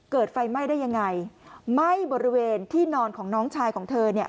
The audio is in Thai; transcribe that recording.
เกิดไฟไหม้ได้ยังไงไหม้บริเวณที่นอนของน้องชายของเธอเนี่ย